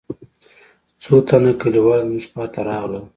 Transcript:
څو تنه کليوال زموږ خوا ته راغلل.